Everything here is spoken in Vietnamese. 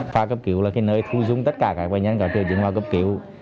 phòng cấp cứu là cái nơi thu dung tất cả các bệnh nhân có tiêu chứng vào cấp cứu